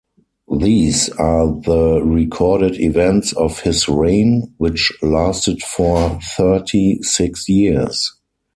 These are the recorded events of his reign, which lasted for thirty-six years.